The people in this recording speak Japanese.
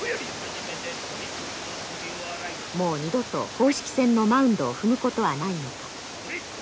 もう二度と公式戦のマウンドを踏むことはないのか。